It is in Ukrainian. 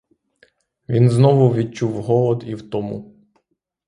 Він знову відчув голод і втому.